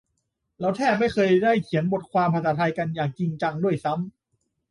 เราแทบไม่เคยได้เขียนบทความภาษาไทยกันอย่างจริงจังด้วยซ้ำ